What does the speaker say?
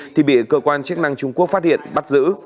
thì bị cơ quan chức năng trung quốc phát hiện bắt giữ